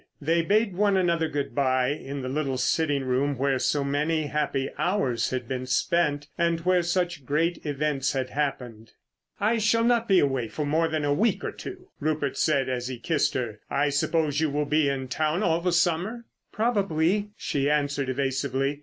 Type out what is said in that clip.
They bade one another good bye in the little sitting room where so many happy hours had been spent—and where such great events had happened. "I shall not be away more than a week or two," Rupert said as he kissed her. "I suppose you will be in town all the summer?" "Probably," she answered evasively.